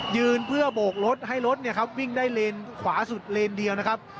ยืนเพื่อโบกรถให้รถเนี่ยครับวิ่งได้เลนขวาสุดเลนเดียวนะครับ